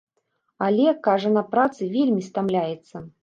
Але, кажа, на працы вельмі стамляецца.